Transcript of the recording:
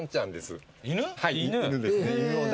犬？